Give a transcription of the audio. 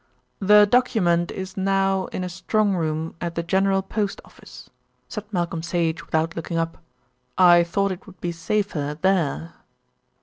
"The document is now in a strong room at the General Post Office," said Malcolm Sage without looking up. "I thought it would be safer there."